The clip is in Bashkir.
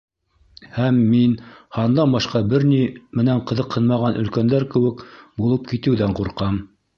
Һәм мин, һандан башҡа бер ни менән ҡыҙыҡмаған өлкәндәр кеүек булып китеүҙән ҡурҡам.